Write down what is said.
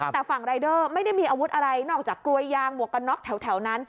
แต่ฝั่งรายเดอร์ไม่ได้มีอาวุธอะไรนอกจากกลวยยางหมวกกันน็อกแถวนั้น